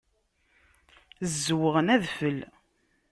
Zzewɣen adfel.